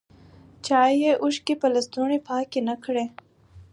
چایې اوښکي په لستوڼي پاکي نه کړې